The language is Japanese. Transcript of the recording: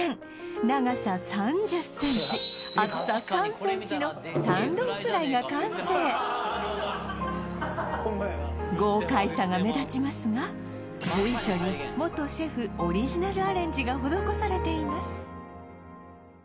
長さ３０センチ厚さ３センチの三丼フライが完成豪快さが目立ちますが随所に元シェフオリジナルアレンジが施されています